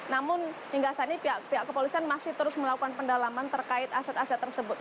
namun hingga saat ini pihak kepolisian masih terus melakukan pendalaman terkait aset aset tersebut